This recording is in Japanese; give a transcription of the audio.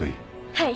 はい。